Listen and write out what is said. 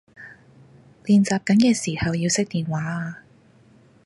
練習緊嘅時侯要熄電話啊